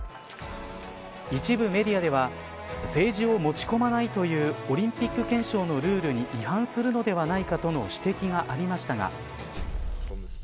一部メディアでは政治を持ち込まないというオリンピック憲章のルールに違反するのではないかとの指摘がありましたが。